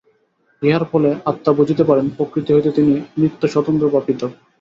ইহার ফলে আত্মা বুঝিতে পারেন, প্রকৃতি হইতে তিনি নিত্য স্বতন্ত্র বা পৃথক্।